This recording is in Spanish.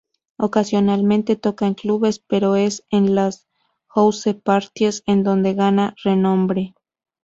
Ocasionalmente toca en clubes, pero es en las "house-parties" en donde gana renombre.